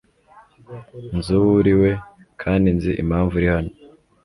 Nzi uwo uriwe, kandi nzi impamvu uri hano